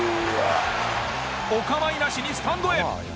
お構いなしにスタンドへ。